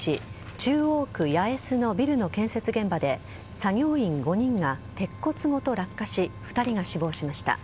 中央区八重洲のビルの建設現場で作業員５人が鉄骨ごと落下し２人が死亡しました。